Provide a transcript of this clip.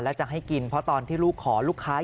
แล้วจะให้กินเพราะตอนที่ลูกขอลูกค้า